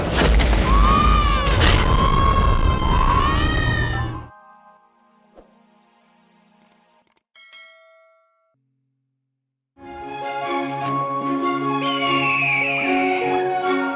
terima kasih mas